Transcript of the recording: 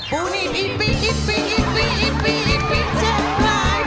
ปูนี่อิปปี่อิปปี่อิปปี่อิปปี่อิปปี่เจ็บปลาย